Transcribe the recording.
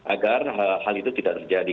agar hal itu tidak terjadi